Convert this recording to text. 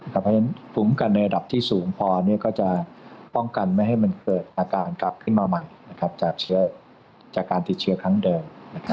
เพราะฉะนั้นภูมิกันในระดับที่สูงพอก็จะป้องกันไม่ให้มันเกิดอาการกลับขึ้นมาใหม่จากการติดเชื้อครั้งเดิม